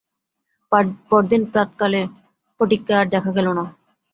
পরদিন প্রাতঃকালে ফটিককে আর দেখা গেল না।